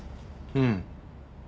うん。